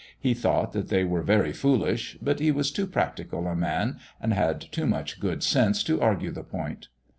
He thought that they were very foolish, but he was too practical a man and had too much good sense to argue the point.